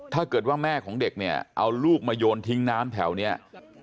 ถ้าเกิดว่าแม่ของเด็กเนี่ยเอาลูกมาโยนทิ้งน้ำแถวเนี่ย